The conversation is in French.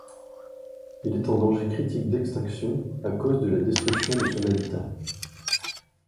Il est en danger critique d'extinction à cause de la destruction de son habitat.